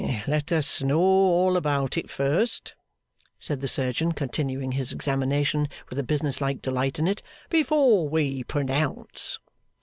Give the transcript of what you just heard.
'Let us know all about it first,' said the surgeon, continuing his examination with a businesslike delight in it, 'before we pronounce.